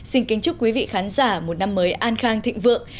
xin kính chúc quý vị khán giả một năm mới an khang thịnh vượng